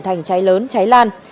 thành cháy lớn cháy lan